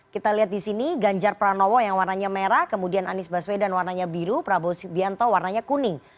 kita lihat di sini ganjar pranowo yang warnanya merah kemudian anies baswedan warnanya biru prabowo subianto warnanya kuning